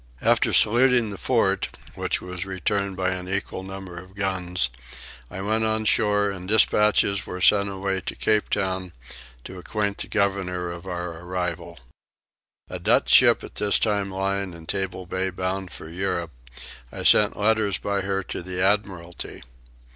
After saluting the fort, which was returned by an equal number of guns, I went on shore and dispatches were sent away to Cape Town to acquaint the governor of our arrival. A Dutch ship at this time lying in Table Bay bound for Europe, I sent letters by her to the Admiralty.